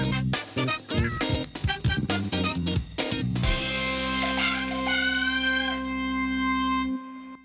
มีชื่อน้ำพ่งใส่ไข่